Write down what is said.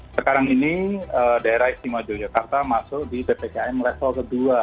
sekarang ini daerah istimewa yogyakarta masuk di ppkm level kedua